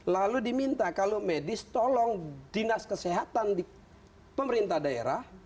lalu diminta kalau medis tolong dinas kesehatan di pemerintah daerah